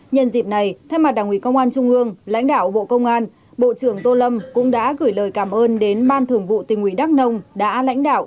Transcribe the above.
nhân dịp này thay mặt đảng ủy công an trung ương lãnh đạo bộ công an bộ trưởng tô lâm cũng đã gửi lời cảm ơn đến ban thường vụ tình ủy đắk nông đã lãnh đạo